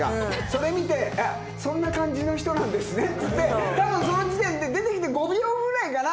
それ見て「あっそんな感じの人なんですね」っつって。多分その時点で出てきて５秒ぐらいかな？